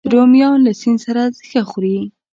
رومیان له سیند سره ښه خوري